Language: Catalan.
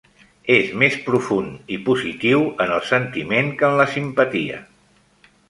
És més profund i positiu en el sentiment que en la simpatia.